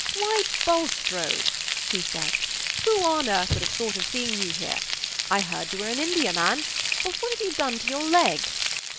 "Why, Bulstrode," he said, "who on earth would have thought of seeing you here? I heard you were in India, man; but what have you done to your leg?"